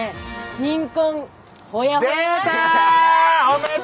新婚ほやほや出た！